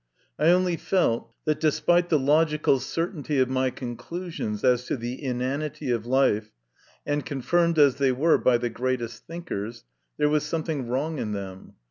I then only felt that, despite the logical certainty of my conclusions as to the inanity of life, and confirmed as they were by the greatest thinkers, there was something wrong in them.